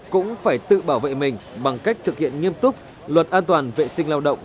cũng phải tự bảo vệ mình bằng cách thực hiện nghiêm túc luật an toàn vệ sinh lao động